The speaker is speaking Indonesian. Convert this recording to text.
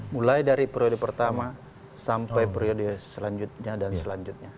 mulai dari periode pertama sampai periode selanjutnya dan selanjutnya